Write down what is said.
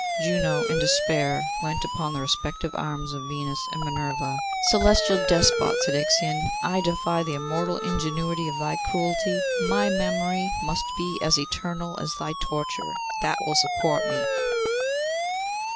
Juno, in despair, leant upon the respective arms of Venus and Minerva. 'Celestial despot!' said Ixion, 'I defy the immortal ingenuity of thy cruelty. My memory must be as eternal as thy torture: that will support me.